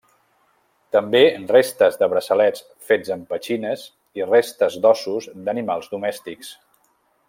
També restes de braçalets fets amb petxines i restes d'ossos d'animals domèstics.